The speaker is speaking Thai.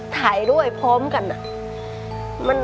ถ่ายด้วยพร้อมกัน